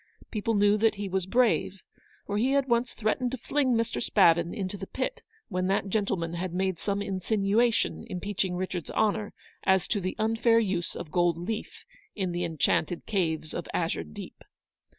People knew that he was brave, for he had once threatened to fling Mr. Spavin into the pit when that gentleman had made some insinuation impeaching Richard's honour as to the unfair use of gold leaf in the Enchanted Caves of Azure Deep.